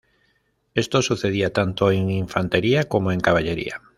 Esto sucedía tanto en infantería como en caballería.